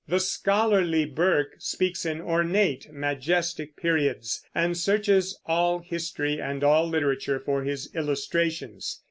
The scholarly Burke speaks in ornate, majestic periods, and searches all history and all literature for his illustrations.